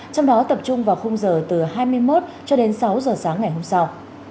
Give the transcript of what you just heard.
trong đó tập trung vào khung giờ từ hai mươi một cho đến sáu giờ sáng ngày hôm sau